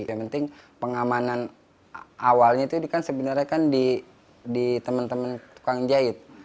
yang penting pengamanan awalnya itu kan sebenarnya kan di teman teman tukang jahit